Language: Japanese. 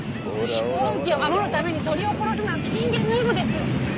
飛行機を守るために鳥を殺すなんて人間のエゴです！